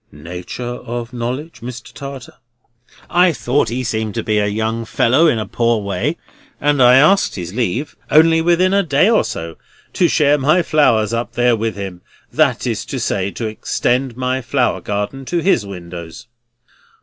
"Nature of knowledge, Mr. Tartar?" "I thought he seemed to be a young fellow in a poor way, and I asked his leave—only within a day or so—to share my flowers up there with him; that is to say, to extend my flower garden to his windows."